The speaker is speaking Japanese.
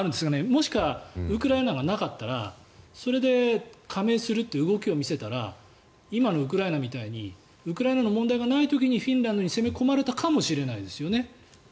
もしくはウクライナがなかったらそれで加盟するっていう動きを見せたら今のウクライナみたいにウクライナの問題がない時にフィンランドに攻め込まれたかもしれないですよね。